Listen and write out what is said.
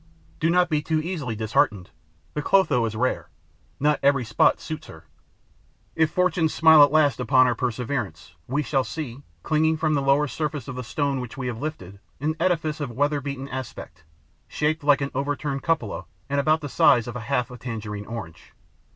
Do not be too easily disheartened: the Clotho is rare; not every spot suits her. If fortune smile at last upon our perseverance, we shall see, clinging to the lower surface of the stone which we have lifted, an edifice of a weather beaten aspect, shaped like an over turned cupola and about the size of half a tangerine orange.